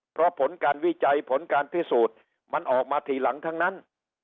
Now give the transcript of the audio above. เพราะผลการวิจัยผลการพิสูจน์มันออกมาทีหลังทั้งนั้น